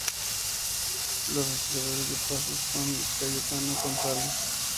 Los respiraderos del paso son de Cayetano González.